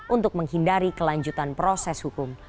untuk menghindari kelanjutan proses hukum